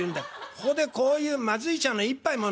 ここでこういうまずい茶の一杯も飲むんだろ？